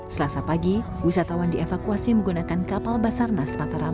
selasa pagi wisatawan dievakuasi menggunakan kapal basarnas mataram